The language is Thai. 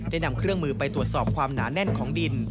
นำเครื่องมือไปตรวจสอบความหนาแน่นของดิน